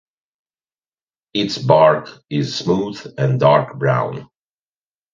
Its bark is smooth and dark brown.